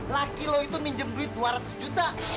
lala nggak boleh sedih